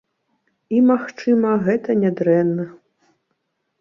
І, магчыма, гэта нядрэнна.